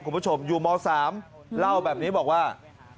คุณผู้ชมอยู่ม๓เล่าแบบนี้บอกว่า